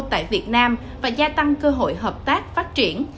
tại việt nam và gia tăng cơ hội hợp tác phát triển